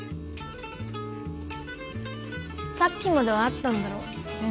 さっきまではあったんだろう？